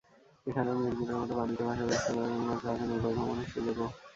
এখানেও মিরপুরের মতো পানিতে ভাসা রেস্তোরাঁ যেমন আছে, আছে নৌকাভ্রমণের সুযোগও।